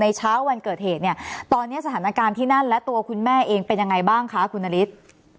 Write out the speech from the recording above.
เช้าวันเกิดเหตุเนี่ยตอนนี้สถานการณ์ที่นั่นและตัวคุณแม่เองเป็นยังไงบ้างคะคุณนฤทธิ์